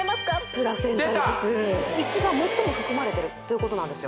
・プラセンタエキス一番最も含まれてるということなんですよ・